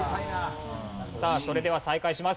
それでは再開します。